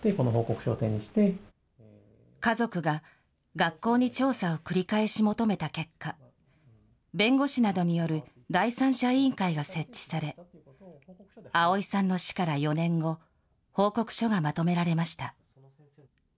学校に調査を繰り返し求めた結果、弁護士などによる第三者委員会が設置され、碧さんの死から４年後、報告書がまとめられました。